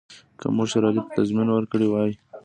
که موږ شېر علي ته تضمین ورکړی وای.